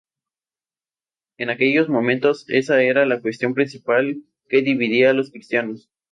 En aquellos momentos esa era la cuestión principal que dividía a los cristianos.